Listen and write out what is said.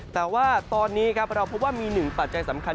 แต่ว่าตอนนี้ครับเราพบว่ามีหนึ่งปัจจัยสำคัญ